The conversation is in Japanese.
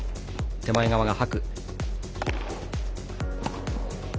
手前側が白。